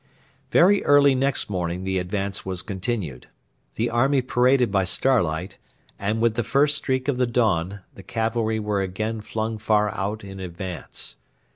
Very early next morning the advance was continued. The army paraded by starlight, and with the first streak of the dawn the cavalry were again flung far out in advance.